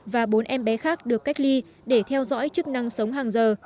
và bốn em bé khác được cách ly để theo dõi chức năng sống hàng giờ